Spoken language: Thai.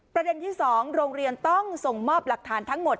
ประเด็นที่๒โรงเรียนต้องส่งมอบหลักฐานทั้งหมด